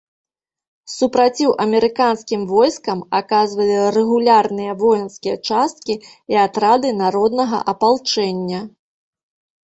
Супраціў амерыканскім войскам аказвалі рэгулярныя воінскія часткі і атрады народнага апалчэння.